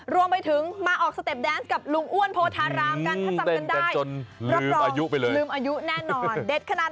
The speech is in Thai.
รวมไปถึงมาออกสเต็ปแดนซ์กับลุงอ้วนโพธิธารามกัน